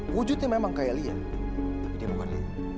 wujudnya memang kayak lia tapi dia bukan lia